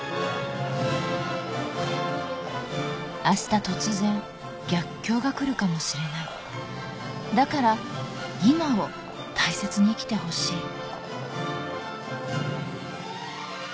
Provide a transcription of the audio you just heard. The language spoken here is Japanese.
明日突然逆境が来るかもしれないだから今を大切に生きてほしい